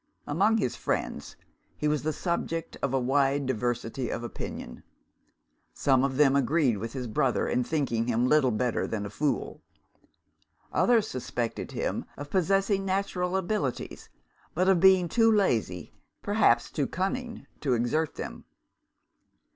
Among his friends, he was the subject of a wide diversity of opinion. Some of them agreed with his brother in thinking him little better than a fool. Others suspected him of possessing natural abilities, but of being too lazy, perhaps too cunning, to exert them.